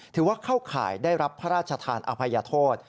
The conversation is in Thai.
ถือว่าเข้าข่ายได้รับพระราชทานอภัยโทษ